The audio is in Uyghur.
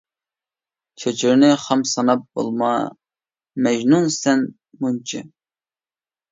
چۆچۈرىنى خام ساناپ، بولما مەجنۇن سەن مۇنچە.